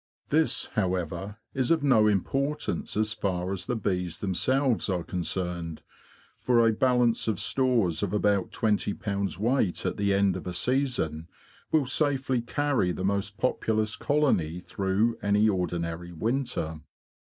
This, however, is of no importance as far as the bees themselves are concerned, for a balance of stores of about twenty pounds weight at the end of a season will safely carry the most populous colony through any ordinary winter.